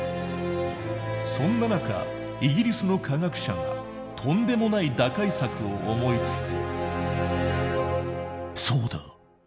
そんな中イギリスの科学者がとんでもない打開策を思いつく。